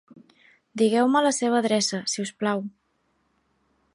Digueu-me la seva adreça, si us plau.